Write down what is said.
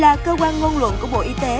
là cơ quan ngôn luận của bộ y tế